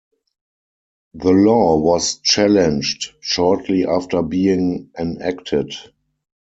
The law was challenged shortly after being enacted.